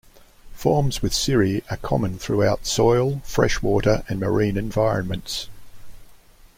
Forms with cirri are common throughout soil, freshwater, and marine environments.